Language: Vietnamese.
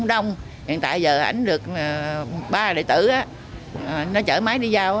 đến được ba đại tử nó chở máy đi giao